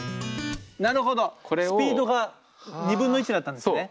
なるほどスピードが２分の１になったんですね。